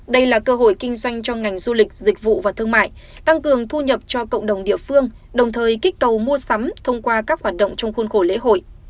đây là cơ hội kinh doanh cho ngành du lịch dịch vụ và thương mại tăng cường thu nhập cho cộng đồng địa phương đồng thời kích cầu mua sắm thông qua các hoạt động trong khuôn khổ lễ hội